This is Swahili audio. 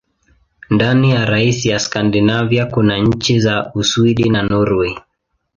Ndani ya rasi ya Skandinavia kuna nchi za Uswidi na Norwei.